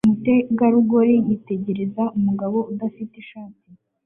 Umutegarugori yitegereza umugabo adafite ishati